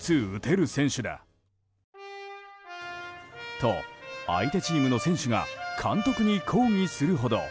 と、相手チームの選手が監督に抗議するほど。